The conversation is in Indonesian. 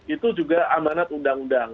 itu juga amanat undang undang